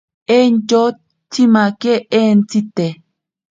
Entyo tsimake entsite.